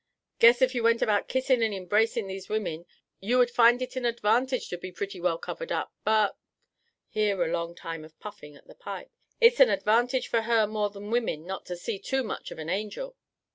Guess if you went about kissing and embracing these women ye would find it an advantage to be pretty well covered up; but" here a long time of puffing at the pipe "it's an advantage for more than women not to see too much of an angel."